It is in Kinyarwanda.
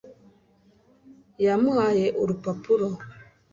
yamuhaye urupapuro